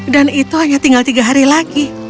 dan itu hanya tinggal tiga hari lagi